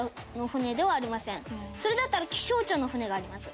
それだったら気象庁の船があります。